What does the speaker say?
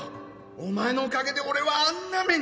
「お前のおかげで俺はあんな目に！」